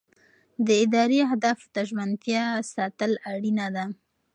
د ادارې اهدافو ته ژمنتیا ساتل اړینه ده.